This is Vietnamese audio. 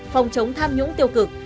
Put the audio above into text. phòng chống tham nhũng tiêu cực